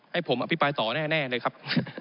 ให้ผมอภิปรายต่อแน่เลยครับ